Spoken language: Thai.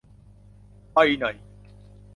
ไปไหน !